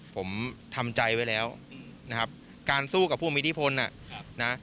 ผมทำใจไว้แล้วนะครับการสู้กับผู้มีอิทธิพลนะ